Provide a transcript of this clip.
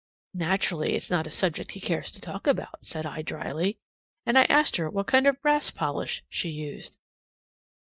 "Naturally it's not a subject he cares to talk about," said I dryly, and I asked her what kind of brass polish she used.